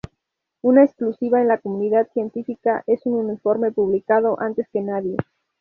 Una exclusiva en la comunidad científica es un informe publicado antes que nadie.